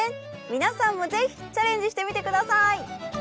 皆さんも是非チャレンジしてみて下さい。